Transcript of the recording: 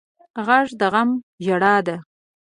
غږ د غم ژړا ده